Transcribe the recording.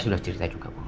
sudah cerita juga